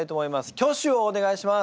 挙手をお願いします。